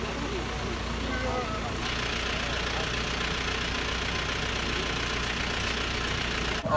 กลับมาเถอะครับ